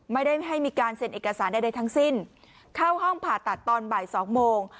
ไม่ได้ให้มีการเซ็นเอกสารใดทั้งสิ้นเข้าห้องผ่าตัดตอนบ่ายสองโมง